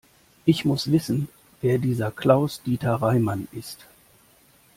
Ich muss wissen, wer dieser Klaus-Dieter Reimann ist.